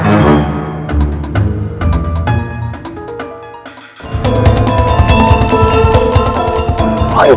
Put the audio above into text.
aku beliau malah loe